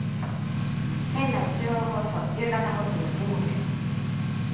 仙台中央放送「夕方ほっと」の神野です。